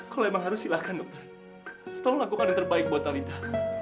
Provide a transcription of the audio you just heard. kalau emang harus silahkan dokter tolong lakukan yang terbaik buat talitha